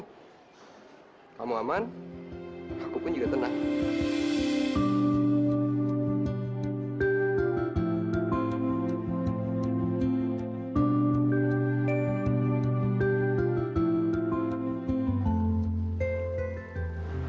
kamu aman aku pun juga tenang